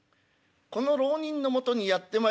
この浪人のもとにやって参りまして。